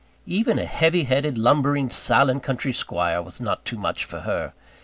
Even a heavy headed, lumbering, silent country squire was not too much for her.